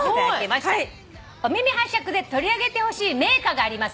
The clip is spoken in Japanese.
「『お耳拝借』で取り上げてほしい銘菓があります」